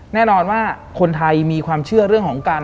แน่นอนว่าคนไทยมีความเชื่อเรื่องของการ